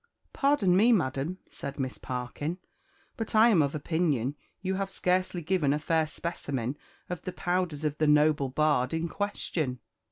'" "Pardon me, madam," said Miss Parkin; "but I am of opinion you have scarcely given a fair specimen of the powers of the Noble Bard in question.